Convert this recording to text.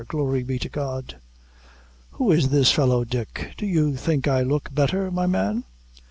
glory be to God!" "Who is this fellow, Dick? Do you think I look better, my man?"